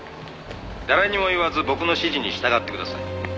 「誰にも言わず僕の指示に従ってください」